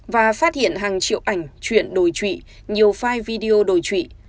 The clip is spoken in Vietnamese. và phát hiện hàng triệu ảnh chuyện đồi trụy nhiều file video đồi trụy